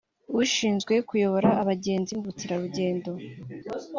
ushinzwe kuyobora abagenzi mu bukerarugendo